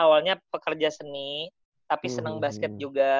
awalnya pekerja seni tapi senang basket juga